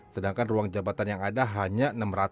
sedangkan ruang jabatan yang ada hanya enam ratus tiga puluh enam